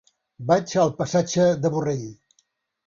Vaig al passatge de Borrell.